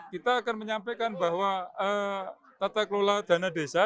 kita akan menyampaikan bahwa tata kelola dana desa